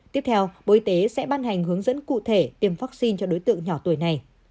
tiếp theo bộ y tế sẽ ban hành hướng dẫn cụ thể tiêm vaccine cho đối tượng nhỏ tuổi này